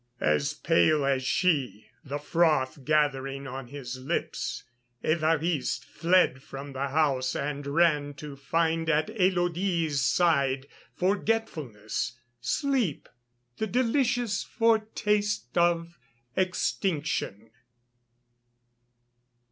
As pale as she, the froth gathering on his lips, Évariste fled from the house and ran to find at Élodie's side forgetfulness, sleep, the delicious foretaste of extinction.